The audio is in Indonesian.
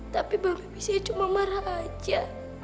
tapi mbak be bisa cuma marah aja